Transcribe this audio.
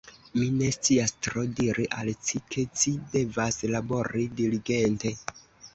Mi ne scias tro diri al ci, ke ci devas labori diligente.